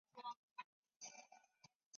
因为提出血型性格学说而闻名。